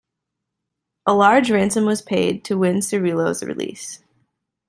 A large ransom was paid to win Cirillo's release.